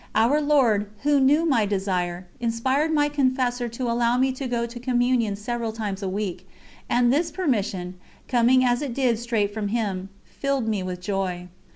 Our Lord, Who knew my desire, inspired my confessor to allow me to go to Communion several times a week, and this permission, coming as it did straight from Him, filled me with joy.